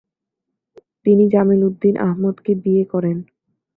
তিনি জামিল উদ্দিন আহমদকে বিয়ে করেন।